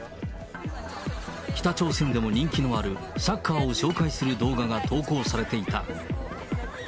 北朝鮮でも人気のあるサッカーを紹介する動画が投稿されていた。